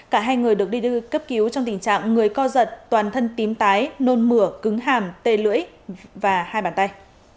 cả hai người được đi đưa cấp cứu trong tình trạng người co giật toàn thân tím tái nôn mửa cứng hàm tê lưỡi và hai bàn tay